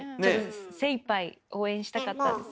精いっぱい応援したかったんです。